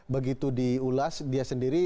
begitu diulas dia sendiri